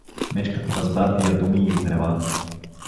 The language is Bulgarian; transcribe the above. Мечката разбра тия думи и изрева.